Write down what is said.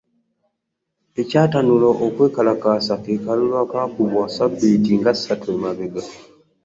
Ekyatanula okwekalakaasa ke kalulu akaakubwa ssabbiiti nga ssatu emabega